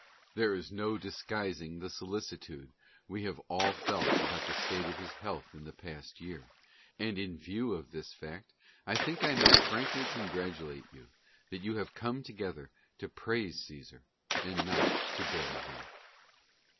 There is no disguising the solicitude we have all felt about the state of his health the past year, and in view of this fact I think I may frankly congratulate you that you have come together to praise Caesar and not to bury him.